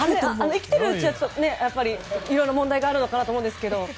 生きているうちはいろいろ問題があるのかなと思うんですけど。